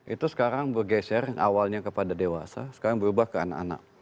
itu sekarang bergeser awalnya kepada dewasa sekarang berubah ke anak anak